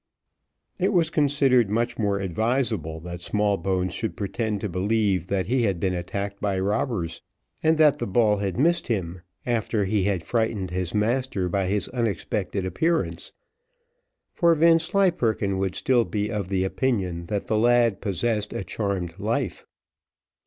It was considered much more advisable that Smallbones should pretend to believe that he had been attacked by robbers, and that the ball had missed him, after he had frightened his master by his unexpected appearance, for Vanslyperken would still be of the opinion that the lad possessed a charmed life.